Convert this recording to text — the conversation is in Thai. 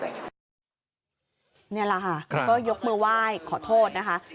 นี่แหละค่ะก็ยกมือไหว้ขอโทษนะคะ